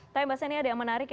tapi mbak sani ada yang menarik